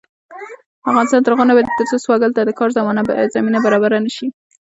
افغانستان تر هغو نه ابادیږي، ترڅو سوالګر ته د کار زمینه برابره نشي.